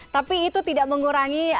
tapi itu tidak mengurangi